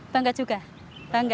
bangga juga bangga